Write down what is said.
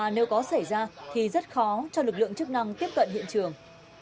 nếu có xảy ra thì rất khó cho lực lượng chức năng tiếp cận hiện trường